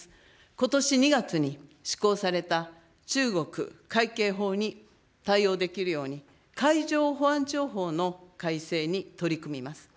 ことし２月に施行された、中国海警法に対応できるように、海上保安庁法の改正に取り組みます。